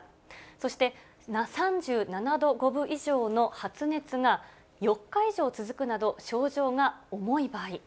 そして、３７度５分以上の発熱が４日以上続くなど、症状が重い場合。